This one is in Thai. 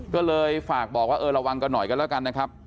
ก็เลยฝากบอกว่าเออระวังกันหน่อยกันแล้วกันนะครับ